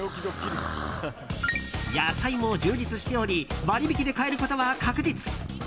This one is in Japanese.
野菜も充実しており割引で買えることは確実。